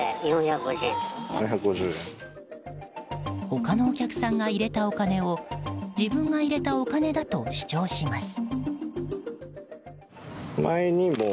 他のお客さんが入れたお金を自分が入れたお金だと主張します。